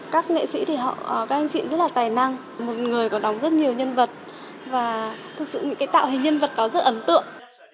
các nghệ sĩ thì họ các nghệ sĩ rất là tài năng một người có đóng rất nhiều nhân vật và thực sự những cái tạo hình nhân vật đó rất ấn tượng